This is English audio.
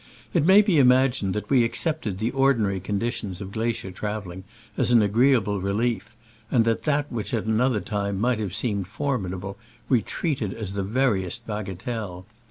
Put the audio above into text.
It may be imagined that we accepted the ordinary conditions of glacier traveling as an agreeable relief, and that that which at another time might have seemed formidable we treat ed as the veriest bagatelle.